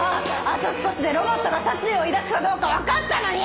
あと少しでロボットが殺意を抱くかどうか分かったのに！